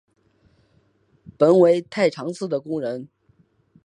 本为太常寺的工人。